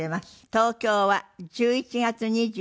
東京は１１月２２日